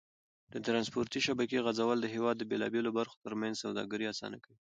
د ترانسپورتي شبکې غځول د هېواد د بېلابېلو برخو تر منځ سوداګري اسانه کوي.